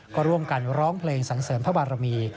ก็ร่วมกันร้องเพลงสันเสริมพระบารมี